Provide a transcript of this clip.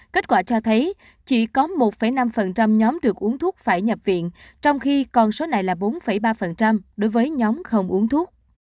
kết quả cho thấy chỉ có một năm nhóm được uống thuốc phải nhập viện trong khi con số này là bốn ba đối với nhóm không uống thuốc